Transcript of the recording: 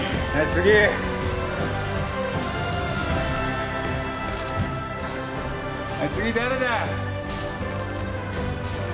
次誰だ！？